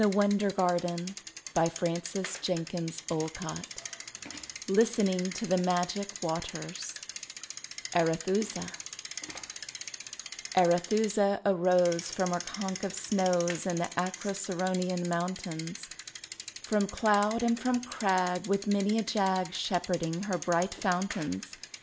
WILLIAM BROWNE OF TAVISTOCK (condensed) LISTENING TO THE MAGIC WATERS ARETHUSA Arethusa arose From her conch of snows In the Acroceraunian mountains, — From cloud and from crag. With many a jag, Shepherding her bright fountains.